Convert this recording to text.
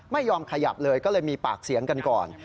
ไม่ยอมขยับเลยก็เลยมีปากเสียงกันก่อน